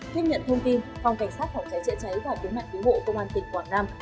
thiết nhận thông tin phòng cảnh sát phòng cháy chạy cháy và tướng mạng cứu hộ công an tỉnh quảng nam